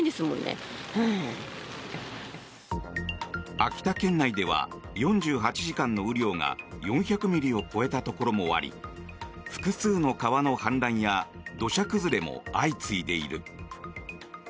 秋田県内では４８時間の雨量が４００ミリを超えたところもあり複数の川の氾濫や土砂崩れも相次いでいる。